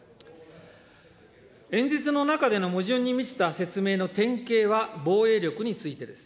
演説の中での矛盾に満ちた説明の典型は、防衛力についてです。